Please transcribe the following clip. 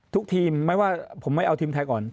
ทุกทีมไม่ว่าผมไม่เอาทีมไทยก่อน